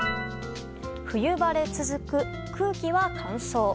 冬晴れ続く、空気は乾燥。